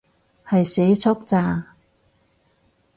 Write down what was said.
係社畜咋